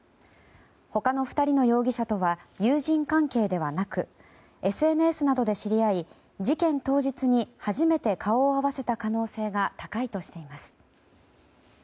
他の２人の容疑者とは友人関係ではなくＳＮＳなどで知り合い事件当日に初めて顔を合わせた可能性が高いとしています。